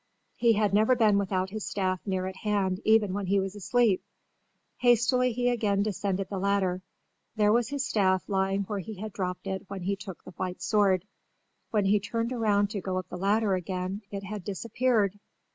He had never been without his staff near at hand even when he was asleep. Hastily he again descended the ladder. There was his staff lying where he had dropped it when he took the white sword. When he turned around to go up the ladder again, it had disappeared.